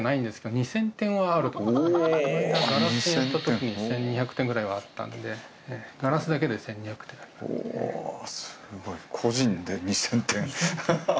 ２０００点１２００点ぐらいはあったのでガラスだけで１２００点おおすごい個人で２０００点ハハハ